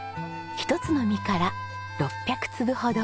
１つの実から６００粒ほど。